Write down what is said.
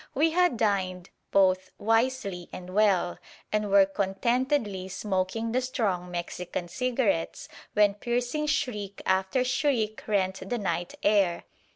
We had dined both wisely and well, and were contentedly smoking the strong Mexican cigarettes when piercing shriek after shriek rent the night air.